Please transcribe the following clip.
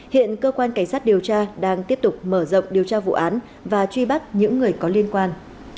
hiện cơ quan cảnh sát điều tra đang tiếp tục mở rộng điều tra vụ án và truy bắt những người có liên quan